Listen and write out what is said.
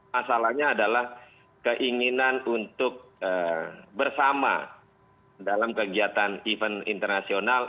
masalahnya adalah keinginan untuk bersama dalam kegiatan event internasional